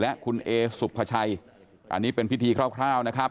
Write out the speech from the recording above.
และคุณเอสุภาชัยอันนี้เป็นพิธีคร่าวนะครับ